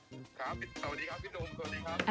สวัสดีครับพี่นุ่มสวัสดีครับ